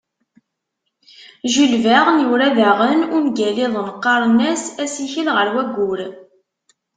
Jules Verne yura daɣen ungal-iḍen qqaren-as "Asikel ɣer wayyur".